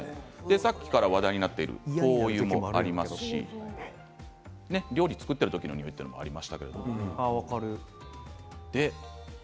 さっきから話題になっている灯油もありますし料理を作っている時の匂いというのもありますね。